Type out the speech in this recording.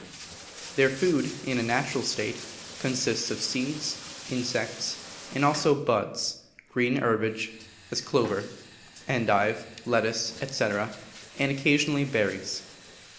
Their food, in a natural state, consists of seeds, insects, and also buds, green herbage, as clover, endive, lettuce, &c., and occasionally berries.